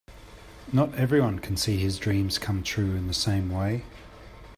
Not everyone can see his dreams come true in the same way.